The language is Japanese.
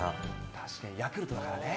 確かにヤクルトだからね。